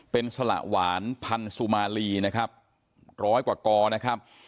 เป็นสละหวานพันธุมาลีนะครับร้อยกว่ากอนะครับ